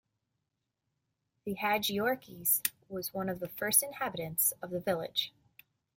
The Hadjiyiorkis was one of the first inhabitants of the village.